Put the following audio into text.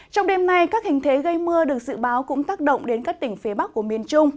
trong đêm nay các hình thế gây mưa được dự báo cũng tác động đến các tỉnh phía bắc của miền trung